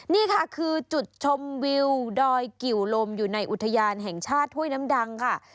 นี่ค่ะคือจุดชมวิวดอยกิวลมอยู่ในอุทยานแห่งชาติห้วยน้ำดังค่ะ